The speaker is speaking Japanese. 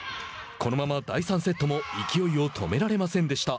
このまま第３セットも勢いを止められませんでした。